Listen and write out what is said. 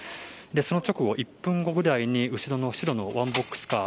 その直後、１分後くらいに後ろの白のワンボックスカー